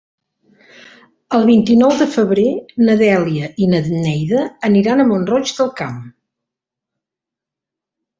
El vint-i-nou de febrer na Dèlia i na Neida aniran a Mont-roig del Camp.